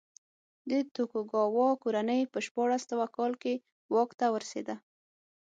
د توکوګاوا کورنۍ په شپاړس سوه کال کې واک ته ورسېده.